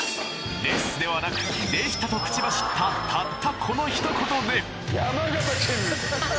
「です」ではなく「でした」と口走ったたったこのひと言で山形県民だ！